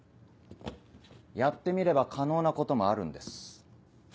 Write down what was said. やってみれば可能なこともあるんです。